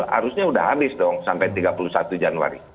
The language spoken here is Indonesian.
harusnya sudah habis dong sampai tiga puluh satu januari